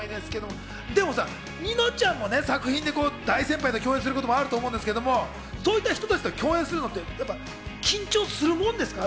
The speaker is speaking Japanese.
でもさ、ニノちゃんも作品で大先輩と共演することもあると思うんですけど、そういった人たちを共演するのってやはり緊張するもんですか？